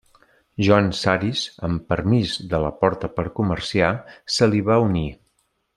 John Saris, amb permís de la Porta per comerciar, se li va unir.